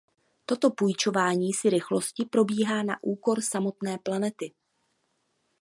Toto půjčování si rychlosti probíhá na úkor samotné planety.